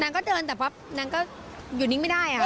นางก็เดินแต่บ้าปนางก็หยุดนิ่งไม่ได้อะ